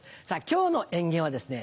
今日の演芸はですね